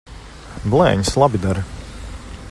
Blēņas! Labi der.